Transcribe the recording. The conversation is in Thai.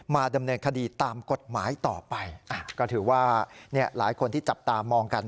ดำเนินคดีตามกฎหมายต่อไปก็ถือว่าเนี่ยหลายคนที่จับตามองกัน